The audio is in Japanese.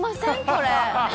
これ。